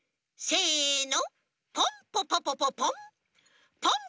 せの！